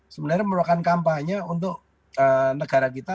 sebenarnya merupakan kampanye untuk negara kita